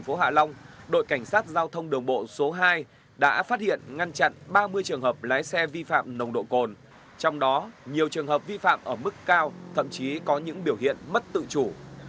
phòng cảnh sát giao thông đồng bộ số hai đã phát hiện ngăn chặn ba mươi trường hợp lái xe vi phạm nồng độ cồn trong đó nhiều trường hợp vi phạm ở mức cao thậm chí có những biểu hiện mất tự chủ